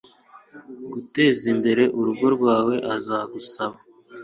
gutezimbere urugo rwawe azagusaba